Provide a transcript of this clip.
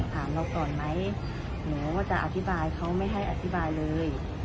ถามเราก่อนไหมหนูก็จะอธิบายเขาไม่ให้อธิบายเลย